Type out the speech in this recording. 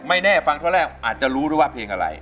แน่ฟังเท่าแรกอาจจะรู้ด้วยว่าเพลงอะไร